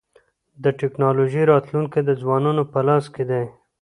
د ټکنالوژی راتلونکی د ځوانانو په لاس کي دی.